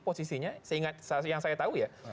posisinya seingat yang saya tahu ya